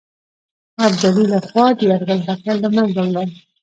ابدالي له خوا د یرغل خطر له منځه ولاړ.